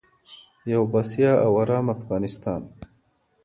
یو بسیا او ارام افغانستان.